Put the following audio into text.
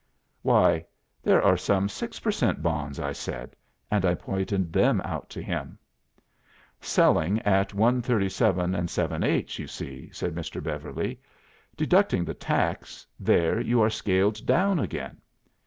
'" "'Why, there are some six per cent bonds!' I said; and I pointed them out to him." "'Selling at 137 7 8, you see,' said Mr. Beverly. 'Deducting the tax, there you are scaled down again.